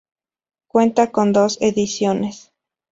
Cuenta con dos ediciones.